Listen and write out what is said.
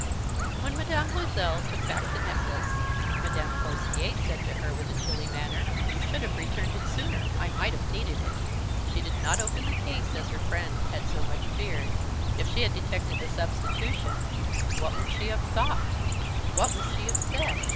When Mme. Loisel took back the necklace, Mme. Forestier said to her, with a chilly manner: "You should have returned it sooner, I might have needed it." She did not open the case, as her friend had so much feared. If she had detected the substitution, what would she have thought, what would she have said?